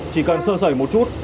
chỉ cần sơ sẩy một chút